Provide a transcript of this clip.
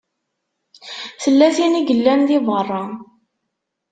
Tella tin i yellan di beṛṛa.